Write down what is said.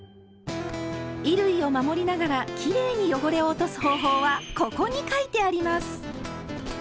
衣類を守りながらきれいに汚れを落とす方法は「ここ」に書いてあります！